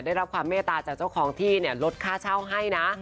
ได้รับความเมตตาจากเจ้าของที่เนี่ยลดค่าเช่าให้นะ